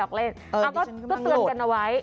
ก็เตือนกันเอาไว้